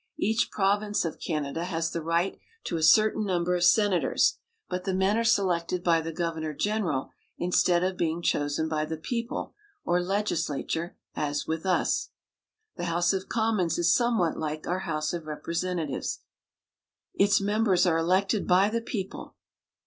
Each province of Can ada has the right to a certain number of senators, but the men are selected by the governor general instead of being chosen by the people or legislature, as with us. The House of Commons is somewhat like our House of Representatives. Its members are elected by the peo ple.